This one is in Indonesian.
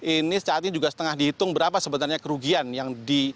ini saat ini juga setengah dihitung berapa sebenarnya kerugian